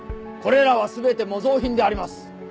これらは全て模造品であります。